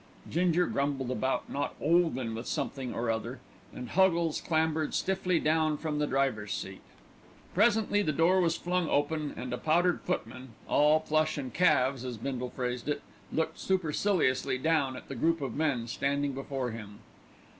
Ginger grumbled about not "'oldin'" with something or other, and Huggles clambered stiffly down from the driver's seat. Presently the door was flung open and a powdered footman, "all plush and calves" as Bindle phrased it, looked superciliously down at the group of men standing before him.